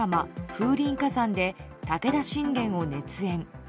「風林火山」で武田信玄を熱演。